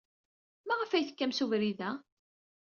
Maɣef ay tekkam seg ubrid-a?